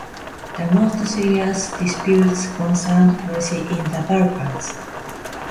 The most serious disputes concerned policy in the Balkans.